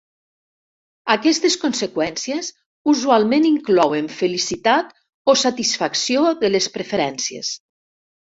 Aquestes conseqüències usualment inclouen felicitat o satisfacció de les preferències.